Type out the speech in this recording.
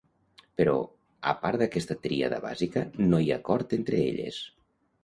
Però, a part d'aquesta tríada bàsica, no hi ha acord entre elles.